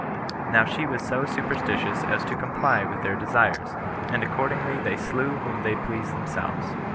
Now she was so superstitious as to comply with their desires, and accordingly they slew whom they pleased themselves.